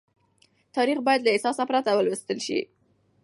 تاريخ بايد له احساس پرته ولوستل شي.